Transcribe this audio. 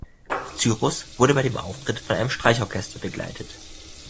Cyrus wurde bei dem Auftritt von einem Streichorchester begleitet.